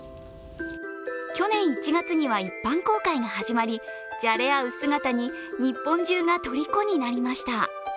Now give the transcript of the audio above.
去年１月には一般公開が始まり、じゃれ合う姿に日本中がとりこになりました。